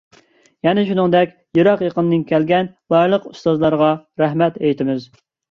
يەنە شۇنىڭدەك، يىراق-يېقىندىن كەلگەن بارلىق ئۇستازلارغا رەھمەت ئېيتىمىز.